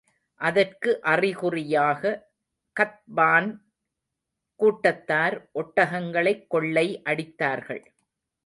அதற்கு அறிகுறியாக, கத்பான் கூட்டத்தார் ஒட்டகங்களைக் கொள்ளை அடித்தார்கள்.